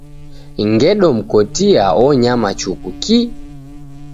Ngedomkotia onyama chuku kii.